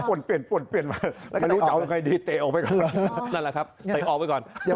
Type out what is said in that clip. ปวดเปลี่ยนมา